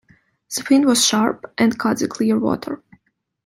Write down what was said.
The fin was sharp and cut the clear water.